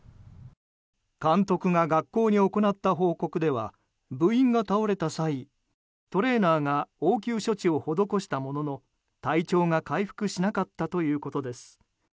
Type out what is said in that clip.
監督が学校に行った報告では部員が倒れた際トレーナーが応急処置を施したものの体調が回復しなかったということです。